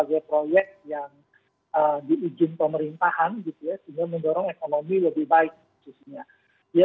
sehingga mendorong ekonomi lebih baik